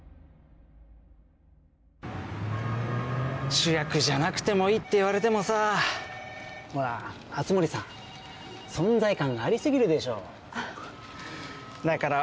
主役じゃなくてもいいって言われてもさほら熱護さん存在感あり過ぎるでしょ？